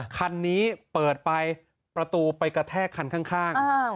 คันนี้เปิดไปประตูไปกระแทกคันข้าง